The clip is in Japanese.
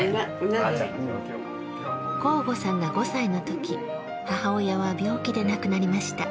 向後さんが５歳の時母親は病気で亡くなりました。